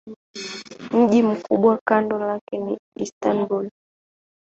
Mji mkubwa kando lake ni Istanbul.